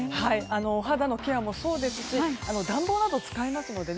お肌のケアもそうですし暖房など使いますのでね